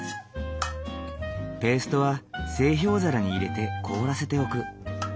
ペーストは製氷皿に入れて凍らせておく。